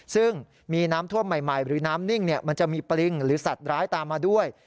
ซึ่งมีน้ำท่วมใหม่หรือน้ำนิ่งมันจะมีปริงหรือสัตว์ร้ายตามมาด้วย